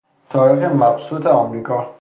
تاریخ مبسوط امریکا